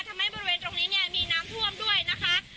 บริเวณตรงนี้เนี่ยมีน้ำท่วมด้วยนะคะ